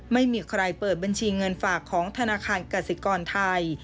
ไม่มีใครเปิดบัญชีเงินฝากของธนาคารกสิกรไทย